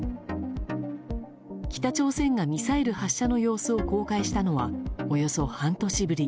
北朝鮮がミサイル発射の様子を公開したのは、およそ半年ぶり。